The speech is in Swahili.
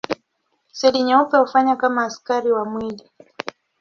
Seli nyeupe hufanya kama askari wa mwili.